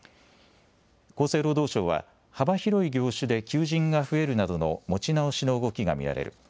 厚生労働省は、幅広い業種で求人が増えるなどの持ち直しの動きが見られる。